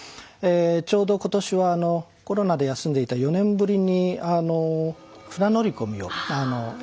ちょうど今年はコロナで休んでいた４年ぶりに船乗り込みを再開されたそうでして。